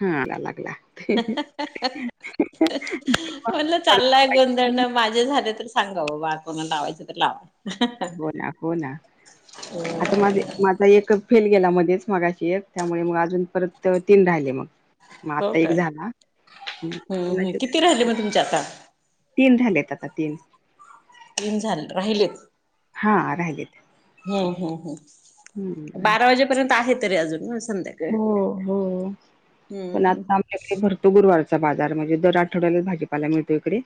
हा लागला लागला. [unintelligible] म्हणलं चाललाय गोंधळण माझे झाले तर सांगा बाबा कोण लावायच तर लावा. हो ना हो ना. हो. आता माझा एक, फेल गेला मध्येच मागाशी एक त्यामुळे मग अजून परत तीन राहिले मग. मग हो आता एक काय? झाला हम्म हम् किती राहिले मग तुमचे आता तीन झालेत आता तीन. न झाले राहिलेत. हा राहिलेलं. हो हो हो, बारा वाजेपर्यंत आहे तरी अजून संध्या हो हो,, पण आता हम् आमच्याकडे भरपूर तो गुरुवारचा बाजार म्हणजे दर आठवड्यालाच भाजीपाला मिळतो इकडे.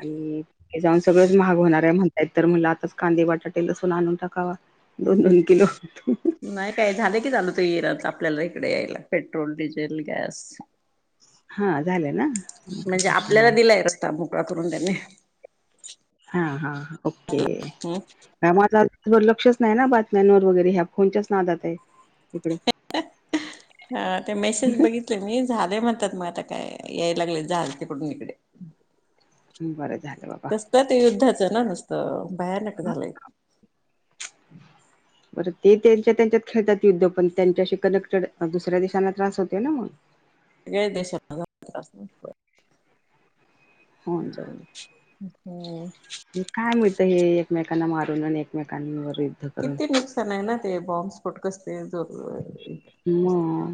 आणि ते जाऊन सगळंच महाग होणार आहे म्हण नाही तर म्हणलं आताच कांदे, बटाटे, लसून आणून टाकावा,, दोन दोन किलो. नाही काय झालं की चालू ते येराच आपल्याला इकडे यायला पेट्रोल, डिझेल, गॅस. हा झाले ना. मग काही म्हणजे प्रश्न आपल्याला नाही दिलाय रस्ता मोकळा करून त्यांनी. हा हा हा ओके. का माझ आज लक्षच नाही ना बातम्यानवर वगैरे, ह्या फोनच्याच नादात आहे इकडे. हा ते मेसेज बघित ल मी झाले म्हणतात मग आता काय, याय लागले झालं तिकडून इकडे. बरं झालं बाबा. कसलं ते युद्धाचं ना नुसतं, भयानक झालंय. [inaudible] बरं ते त्यांच्या त्यांच्यात खेळतात युद्ध पण त्यांच्याशी कनेक्टेड, अ दुसऱ्या देशांना त्रास होतो ना मग. सगळ्याच देशात हो ना [unintelligible] हे काय मिळतं हे एकमेकांना मारून आणि एकमेकांवर करून. किती नुकसान आहे ना ते बॉम्बस्फोट कसते जो मग,,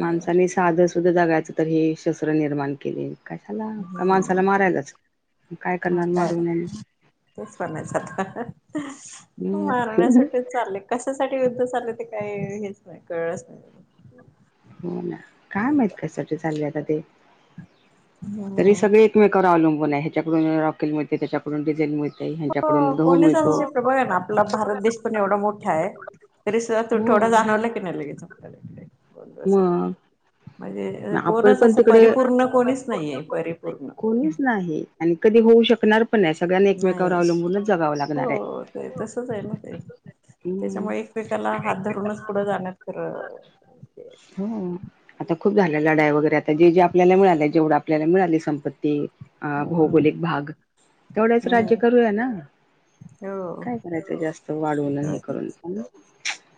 माणसानी साधं सुद्धा जगायचं तर हे शस्त्र निर्माण केलंय. कशाला,, का माणसाला हम्म मारायलाच, काय मग करणार काय मारून? तेच म्हणायचं आता,, मारण्यासाठीच चालले उसासाठी युद्ध चाललेय ते काही हेच नाही, कळलंच नाही. काय माहित कससाठी चाललंय आत ते. तरी हम्म सगळे एकमेकावर अवलंबून आहे,, ह्याच्याकडून रॉकेल मुळे त्याच्याकडून डिझेल मुळे. हो, कोणीचा असे प्रभाग आहे ना आपला भारत देश पण एवढा मोठा आहे, तरी सुधा हो तुटवडा जाणवला की नाही लगेच आपल्याला इकडे. खूपच य मग म्हणजे आपण कोणच पण असं तिकडे परिपूर्ण कोणीच नाहीये परिपूर्ण. कोणीच नाही. आणि कधी होऊ शकणार पण नाही सगळ्यांनी एकमेकावर नाही अवलंबूनच जगावं लागणार आहे. हो ते तसच आहे ना ते हम्म त्याच्यामुळे एकमेकाला हात धरूनच पुढे जाण्यात खरं हो [unintelligible] खूप झाल्या लढाई वगैरे, आता जे जे आपल्याला मिळाले जेवढं आपल्याला मिळालीय संपत्ती अ हम्म भौगोलिक भाग, तेवढ्याच राज्य हम्म करूया ना- हो काय करायचं जास्त वाढवून आमी हे करून पण,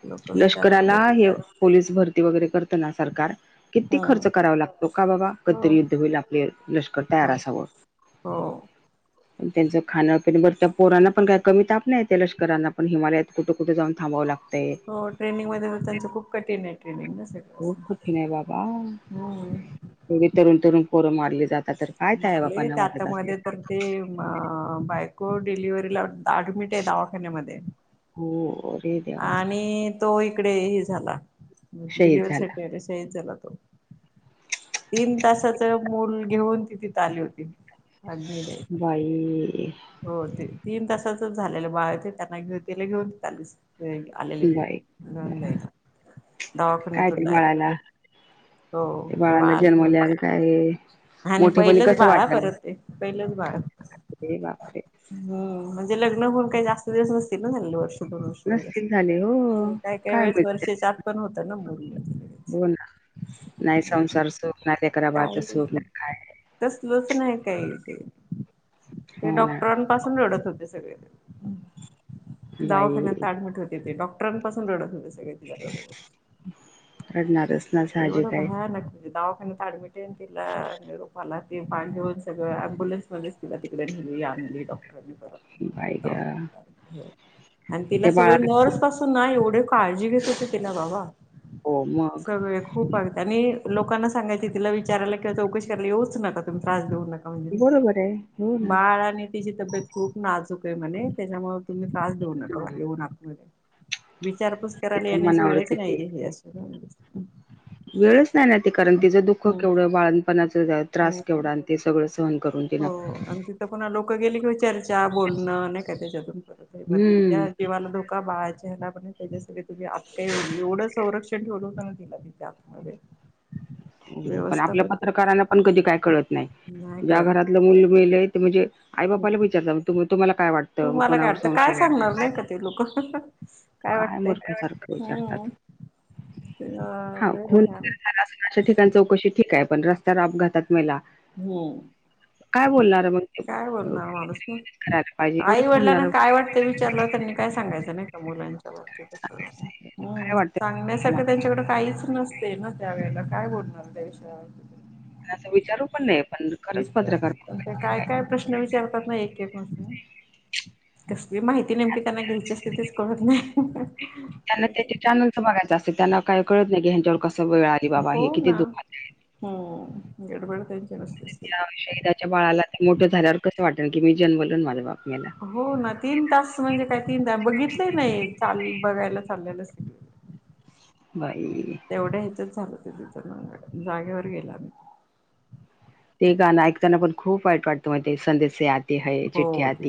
लोक विचार लष्कराला, आलेत हे पोलीस भरती वगैरे करताना सरकार, किती खर्च हम्म करावा लागत तो का बाबा, हो कधीतरी युद्ध होईल आपलं लष्कर तयार हो असावं. हो पण त्यांचं खानं पिनं, बर त्या पोरांना पण काही कमी ताप नाहीय, त्या लष्कराला पण हिमालयात कुठं कुठं जाऊन थांबावं लागतं. हो ट्रेनिंग मध्ये तर त्यांच खूप कठीण आहे ट्रेनिंग ना खूप असं,, हम्म. एवढी तरुण तरुण पोरं मारली जातात तर काय त्या आहे मारले बापांना ते आता वाटत असेल मध्ये तर सांग, ते बायको डिलिवरीला आडमीट आहे दवाखान्यामध्ये,, हो अरे देवा आणि तो इकडे हे झाला,, शहीद डिलिव्हरी झाला साठी आल शाहीद झाला तो. तीन तासाचं मूल घेऊन ती तिथं आली होती. अग्नी देय हि हो ते तीन तासाच झालेलं बाळ ते त्यांला घेल घेऊनच आली वेग बाई, काय दवाखान्यातून ते डायरेक्ट बाळाला हो ते बाळाला घेऊन त्या जन्मलाल काय आहे. आणि पहिलंच बाळ हं परत ते,, पहिलंच बाळ- अरे बापरे! हम्म म्हणजे लग्न हून काही जास्त दिवस नसतील ना झाली वर्ष वर्ष, नसतील झाले हो काय काही वेळेस वर्षेच्या आत पण होतं ना मुल. हो ना,, नाही संसार सुख ना ते काही नाही,, कसलंच नाही काही,, ते हो ना डॉक्टरां पासून रडत होते सगळे,, बाई दवाखान्यात आडमीट होते ते ट्रन पासून रडत होते सगळे तिला बघून. रडणारच. ना एवढं साहजिक आहे भयानक,, दावाखान्यात आडमिटे यन तीला निरूप आला ते पार्थिव सगळं अम्बुलन्स मध्येच तीला तिकडे नेली आणली बाई डॉक्टरांनी. गं [unintelligible] आणि तिला त्या सगळ बाळाला नर्स पासुन ना एवढे काळजी घेत होते तीला बाबा हो मग. सगळे खूप आगं, आणि लोकांना तिला विचारायला किंवा चौकशी कराला येऊच नका तुम्ही त्रास देऊ नका. बरोबर आहे हो - ना बाळ आणी तिची तब्येत खूप नाजूक आहे म्हणे, त्याच्यामुळे तुम्ही त्रास देऊ नका येऊ नका विचारपूस करायला त्याच्या येण्याची मनावर वेळच किती नाहीे हे अशी. वेळच नाही ना ते, कारण तिचं दुःख केवढं बाळंतणपणाचा त्रास हम्म केवढा आणि ते सगळं सहन करून. हो, तिनं आणि तिथं पुन्हा लोकं गेली कि चर्चा बोलणं, नाही का त्याच्यातून परत मग हम्म तिज्या जीवाला धोका बाळाच्या ह्यला पण त्याच्यासाठी तुम्ही आत काही एवढं संरक्षण ठेवलं होतं ना तिच्या आतमध्ये व्यवस्था आपल्या पण पत्रकारांना पण कधी काय कळत नाही,, नाही ज्या कळत घरात मुलं मेलयं ते म्हणजे, आई बापाला विचारतात, तुम्हाला काय वाटतं. तु मग मला काय कोणावर वाटतं, काय संशय आहे?" सांगणार नाही का ते लोकं,, काय वाटतय,, मूर्खासारखं विचारतात हम्म. ते अ हा लय खून भयानक. वगैरे झाला असेल अशा ठिकाणी चौकशी ठीक आहे, पण रस्त्यावर अपघातात मेला हम्म. काय बोलणार मग ते काय अ, बोलणार माणूस ना, करायला पाहिजे आई एवढंच वडिलांना म्हणणार काय वाटतंय विचारलं त्यांनी काय सांगायच नाही का मुलांच्या बाबतीत काय वाटतं तुला मला? सांगण्यासारख त्यांच्याकडे काहीच नसत. तेना त्या वेळेला काय बोलणार त्या विषयावर. अस विचारू पण नाही पण. खरंच पत्रकार खूप विचार आहेत काय काय प्रश्न विचारतात ना एक एक नुसते. कसली माहिती नेमकी त्यांना घ्यायची असते तेच कळत नाही. त्यांना त्याचे चॅनलच बघायच असत त्यांना काय कळत नाही की ह्यांच्यावर कस वेळ आली. बाबा हो हे किती ना दुःखात आहे. हम्म गडबड त्यांची नसतेच. त्या शहिदाच्या बाळाला ते मोठ झाल्यावर कस वाटल की मी जन्मलो आणि माझ्या बाप मेला. हो ना तीन तास म्हणजे काय तीन बघितल नाही चाल बघायला चाललेल. [inaudible] बाई तेवढ्या ह्याच्यात झाल ते तिथ जागेवर गेला. ते गाण ऐकताना पण खूप वाईट वाटत मग ते संदेसे आते हो ते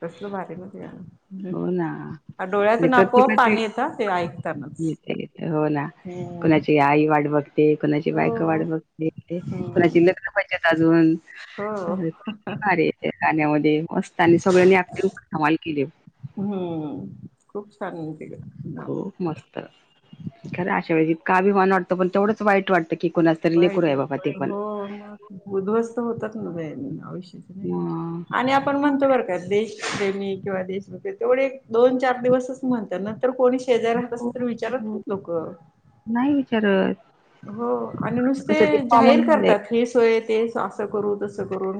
कसल भारी ना ते गाण. हो ना म्हणजे प्रत्येकाचे पाणी येत हा ते ऐकतानाच. [unintelligible] हो ना हम्म. कुणाचे आई वाट बघते, कुणाची बायको वाट हो बघते, कुणाची लग्न व्हायचेत अजून. किती भारी ते गाण्यामध्ये मस्त आणि सगळ्यांनी एक्टिंग पण कमाल केलीये हम्म खूप छान ते गाण. खूप मस्त खर अशा वेळी इतका अभिमान वाटतो पण तेवढच वाईट वाटत की कुणा वाईट वाटत ना हो मग उध्वस्त होतात ना आयुष्याच नाही का. हां. आणि आपण आपण म्हणतो बर का देशप्रेमी किंवा देशभक्ती तेवढे दोन चार दिवसच म्हणत नंतर कोणी [unintelligible] शेजारी राहत हो, असले तरी विचारत हो. नाहीत लोक. नाही विचारत. हो आणि नुसते कसं ते जाहीर कॉमन झालंय करतात हे सोय ते अस करू तस करू.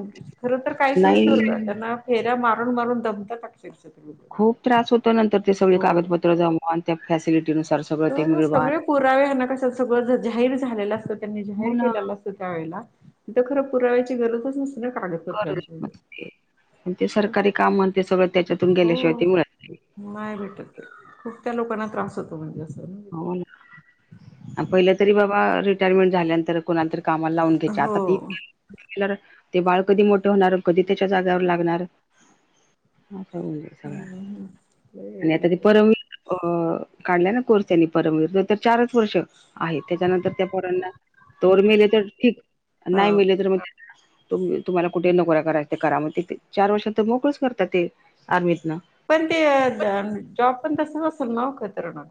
खर तर काहीच नसत बर नाही का त्यांना फेऱ्या मारून मारून दमतात अक्षरशः खूप त्रास होतो नंतर ते सगळी हो कागदपत्र जमवा आणि त्या फॅसिलिटीनुसार सगळं ते तर मिळवा सगळे पुरावे ह्यांना कशाला सगळ जाहीर झालेल असत त्यांनी हो जाहीर ना केलेल असत. तीथ खर पुराव्यांची गरजच नसते ना कागद गरज नसती ते सरकारी काम ते सगळ त्याच्यातून गेल्याशिवाय हो ते मिळत नाही. नाही भेटत खूप त्या लोकांना त्रास होतो म्हणजे अस. पहिल तरी बाबा रिटायरमेंट झाल्यानंतर कोणालातरी कामाला लाऊन घ्यायचे आता ते हो बी जरा ते बाळ कधी मोठ होणार आणि कधी त्याच्या जागेवर लागणार. हम्म आणि आता हम्म ते परमवीर काढला ना कोर्स- त्यांनी परमविर तर चारच वर्ष आहे त्याच्यानंतर त्या पोरांना तोवर मेले तर ठीक. नाही हा मेले तर मग ते. तुम्ही तुम्हाला कुठ नोकऱ्या करायचय ते करा चार वर्षात तर मोकळच करतात ते. आमित न पण ते जॉब पण तसाच असतो ना खतरनाक.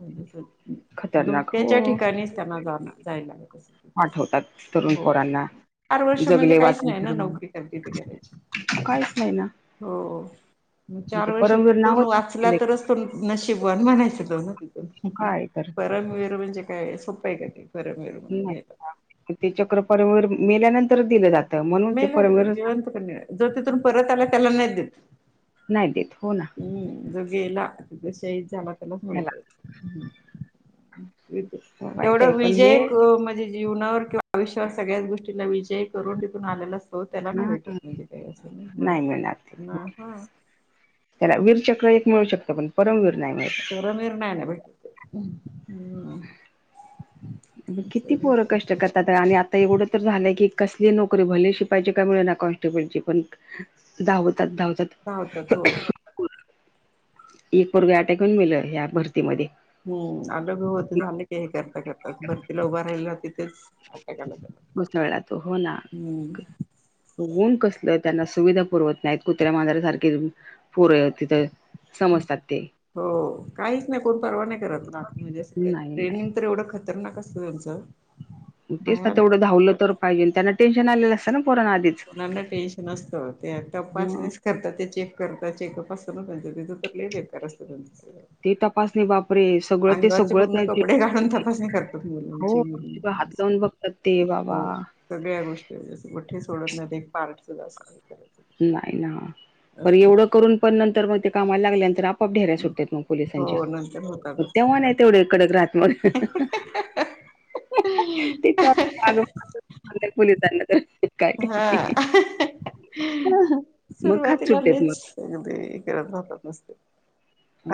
खतरनाक धोक्याच्या हो ठिकाणीच त्यांना जा जायला लागत. असेल पाठवतात तरुण हो पोरांना. चार वर्ष म्हणजे जगले काहीच वाचले नाही ना तर मग नोकरी करते ती करायची. काहीच नाही ना हो मग ते चार परमवीर वर्षातून नावच नाही वाचला दिलं तरच नशीबवाण म्हणायच तो न काय तर परमवीर म्हणजे काय सोप पहिल ते परमविर ते चक्रपर्वर मेल्यानंतरच दिल जात. मेल्यानंतर जिवंत कुठ जो तिथून परत आला त्याला नाही देत. नाही देत हो ना. हम्म जो गेला तो शहीद झाला त्यालाच मिळत. त्याला वाईट तेवढा आहे पण हे विजय म्हणजे जीवनावर किंवा आयुष्यावर सगळ्याच गोष्टींचा विजय करून तिथून आलेला असतो हो त्याला नाही हा भेटत म्हणजे काही अस. नाही मिळणार ते त्याला वीरचक्र एक मिळू शकत पण परमवीर नाही मिळत. परमवीर नाही ना भेटत. हम्म मग असे किती पोर लोक कष्ट करतात. आणि आता एवढ तर झालय की कसली नोकरी भले शिपायची काय मिळेना कॉनस्टेबलची पण धावतात धावतात. धावतात हो. एक पोरग अटॅक येऊन मेल ह्या भरतीमध्ये. हम्म [unintelligible] होत झाल की हे करता करता भरतीला उभा राहिला तिथेच अटॅक आला त्याला. भुसावळात तो हो ना. हम्म ऊन कसल त्यांना सुविधा पुरवत नाहीत कुत्र्या, मांजऱ्या सारखे पोर ये समजतात ते. हो काहीच नाही कोण परवा नाही करत ना म्हणजे अस काही नाही नाही ट्रेनिंग तर एवढ खतरनाक असत त्यांच. तेच ना तेवढ धवल तर पाहिजेल त्यांना टेन्शन आलेल असत ना आधीच. मुलांना टेन्शन असतच ते ह तपासणीच करतात ते चेक करतात ते चेकअप असत ना त्यांच तिथ तर लय बेकार असत त्यांच सगळ. ती तपासनी बापरे सगळ ते सगळ त्या [unintelligible] ते घालून तपासणी करतात काय. हो हात लावून बघतात ते बाबा. हो सगळ्या गोष्टी कुठे सोडत नाही एक पार्ट सुद्धा अस नाहीत. नाही ना बर एवढ करून पण नंतर मग ते कामाला लागल्या नंतर आप ढेऱ्या सुटत्यात मग पोलिसांच्या हो नंतर मग होतातच तेव्हा नाही तेवढे कडक राहत मग. तेग तर [unintelligible] पोलीसांना तर काय काय हां मग खात सुरुवातीला सुटतेत लईच. मग. अगदी करत राहतात नुसते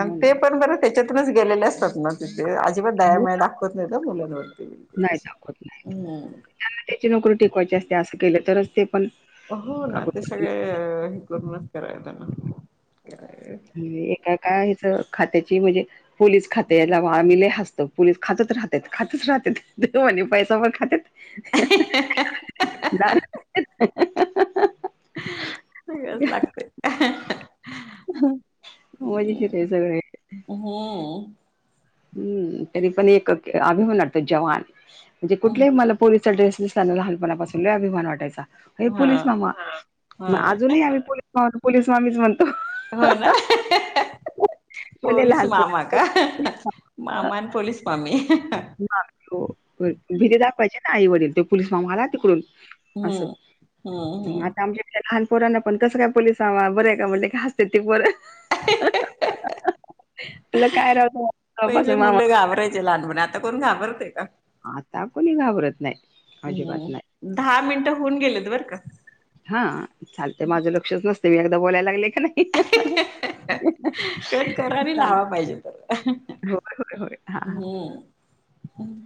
आणि ते ना. पण बर त्याच्यातूनच गेलेले असतात ना. ते अजिबात दया हो, माया दाखवत नाहीत मुलांवरती बिलकुल अशी हम्म. त्यांना त्यांची नोकरी टिकवायची असते अस केल तरच ते पण. हो ना ते कागदपत्र सगळे हे करूनच करायला [unintelligible] काय एकाका ह्याज खात्याची म्हणजे पोलीस खात्या याला आम्ही लय हसतो. पोलीस खातच राहतात खातच राहत्यात दे [unintelligible] आणि पैसा पण खातेत. दारू सगळच लागत. मजेशीेर आहे सगळ. हम्म हम्म तरी पण एक अभिमान वाटतो जवान म्हणजे कुठल्याही मला पोलीसाचा ड्रेस दिसला ना लहानपणापासून असा लई अभिमान वाटायचा. हे हा पोलिस मामा हां हा मग आजूनही आम्ही पोलिस मामा पोलिस मामीच म्हणतो. हो ना भले पोलीस मामा लहानपण का मामान पोलीस मामी भीती दाखवायचीे ना आई वडील ते पोलीस मामला तिकडून अस हम्म म हम्म आता आमचे लहानपोरांना पण कसं काय पोलिसवा बरेय का म्हटले का असते ते पोर काय राव मामा बसा पहिले मामा मुलं घाबरायचे लहानपणी आता करून कोण घाबरते का आता कोणी घाबरत नाही अजिबात नाही. हम्म दहा मिनटं होऊन गेलेत बरं का हा चालतेय माझं लक्षच नसते मी एकदा बोलायला लागले का नाही कट करा आणि लावा चालेल. पाहिजे तर होय, होय, होय. हां. हम्म हम